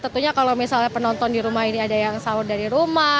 tentunya kalau misalnya penonton di rumah ini ada yang sahur dari rumah